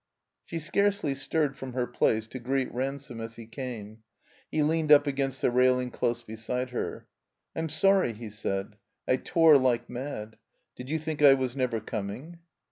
She scarcely stirred from her place to greet Ran some as he came. He leaned up against the railing close beside her. "I'm sorry, '* he said. I tore like mad. Did you think I was never coming?"